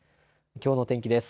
きょうの天気です。